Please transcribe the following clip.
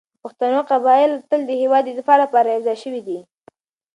د پښتنو قبایل تل د هېواد د دفاع لپاره يو ځای شوي دي.